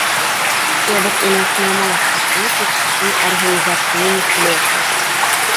То бок у нас няма статуту і арганізацыйных мэтаў.